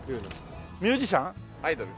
ミュージシャン？アイドル。